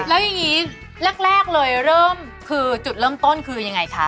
แล้วยังงี้แรกเลยจุดเริ่มต้นคือยังไงคะ